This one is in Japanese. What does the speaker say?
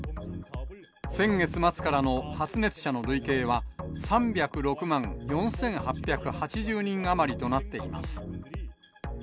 先月末からの発熱者の累計は３０６万４８８０人余りとなっています。